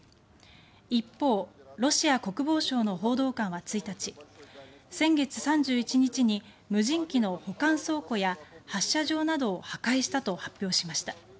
一方、ロシア国防省の報道官は１日先月３１日に無人機の保管倉庫や発射場などを破壊したと発表しました。